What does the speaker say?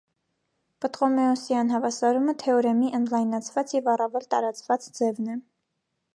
Պտղոմեոսի անհավասարումը թեորեմի ընդլայնացված և առավել տարածված ձևն է։